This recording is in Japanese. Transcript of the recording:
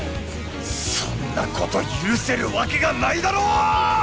そんなこと許せるわけがないだろうー！